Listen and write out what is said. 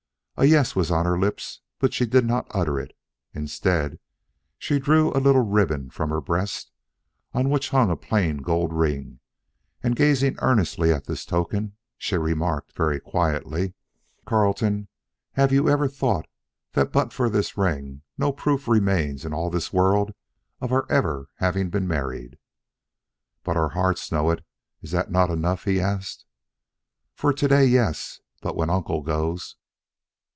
A yes was on her lips, but she did not utter it. Instead, she drew a little ribbon from her breast, on which hung a plain gold ring, and gazing earnestly at this token she remarked very quietly: "Carleton, have you ever thought that but for this ring no proof remains in all this world of our ever having been married?" "But our hearts know it. Is that not enough?" he asked. "For to day, yes. But when uncle goes...."